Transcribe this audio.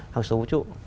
hàng số vũ trụ